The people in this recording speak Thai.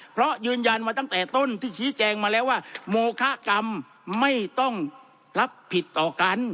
เพราะยืนยันมาตั้งแต่ต้นที่ชี้แจงมาแล้วว่าโมคะกรรมไม่ต้องรับผิดต่อกัน